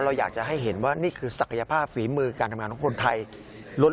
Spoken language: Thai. อยากจะให้เห็นว่านี่คือศักยภาพฝีมือการทำงานของคนไทยล้น